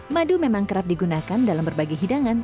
madu memang kerap digunakan dalam berbagai hidangan